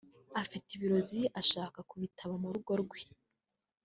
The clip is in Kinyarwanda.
afite ibirozi ashaka kubitaba mu rugo rwe